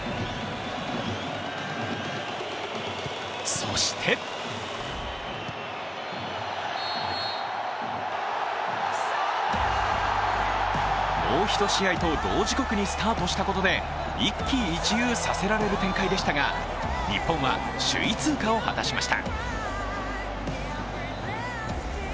そしてもう１試合と同時刻にスタートしたことで一喜一憂させられる展開でしたが、日本は首位通過を果たしました。